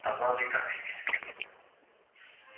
ماشومان د شکلونو جوړولو لوبه کوي.